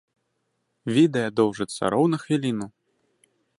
Відэа доўжыцца роўна хвіліну.